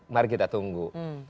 mari kita tunggu